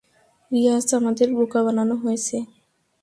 রিয়াজ, আমাদের বোকা বানানো হয়েছে।